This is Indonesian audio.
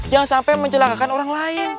jangan sampai mencelakakan orang lain